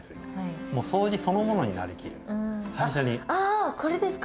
あこれですか！